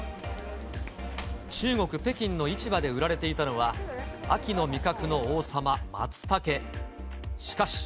中国・北京の市場で売られていたのは、秋の味覚の王様、マツタケ。